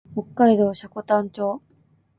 北海道積丹町